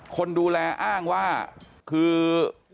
คนดูแลอ้างว่าคือ